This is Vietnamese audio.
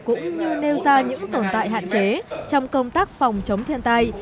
cũng như nêu ra những tồn tại hạn chế trong công tác phòng chống thiên tai